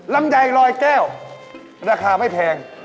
ลำไยลอยแก้วราคาไม่แพง